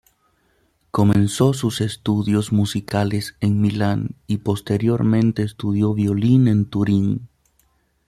Comenzó sus estudios musicales en Milán y posteriormente estudió violín en Turín.